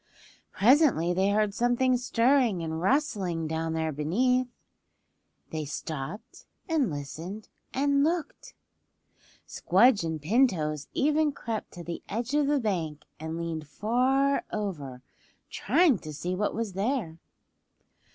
Presently they heard something stirring and rustling down there beneath. They stopped and listened and looked. Squdge and Pin Toes even crept to the edge of the bank and leaned far over trying to see what was there.